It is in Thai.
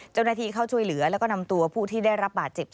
เจ้าหน้าที่เข้าช่วยเหลือแล้วก็นำตัวผู้ที่ได้รับบาดเจ็บ